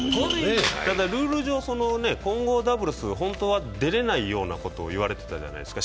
ただルール上、混合ダブルス、本当は出れないようなこといわれてたじゃないですか。